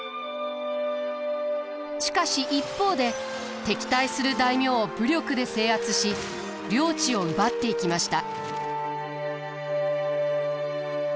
しかし一方で敵対する大名を武力で制圧し領地を奪っていきました。